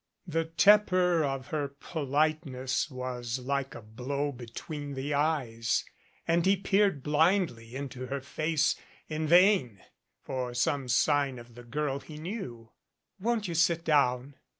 The tepor of her politeness was like a blow between the eyes, and he peered blindly into her face in vain for some sign of the girl he knew. "Won't you sit down?"